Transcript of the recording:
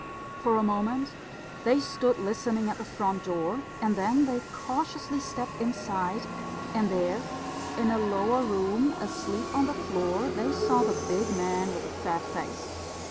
For a moment they stood listening at the front door, and then they cautiously stepped inside; and there, in a lower room, asleep on the floor, they saw the big man with the fat face.